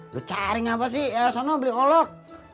lu cari ngapa sih ala sana beli olok